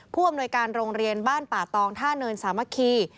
ผู้อำนวยการโรงเรียนบ้านป่าตองท่าเนินสามัคคี